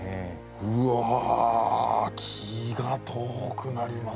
うわ気が遠くなりますね。